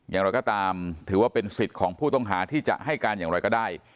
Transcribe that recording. อย่างไรก็ตามถือว่าเป็นสิทธิ์ของผู้ต้องหาที่จะให้การอย่างไรก็ได้